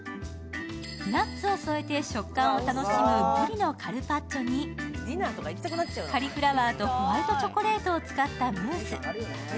ナッツを添えて食感を楽しむぶりのカルパッチョにカリフラワーとホワイトチョコレートを使ったムース。